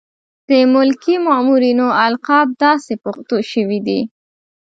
د ملکي مامورینو القاب داسې پښتو شوي دي.